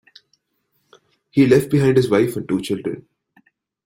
He left behind his wife and two children.